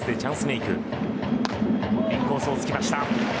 インコースをつきました。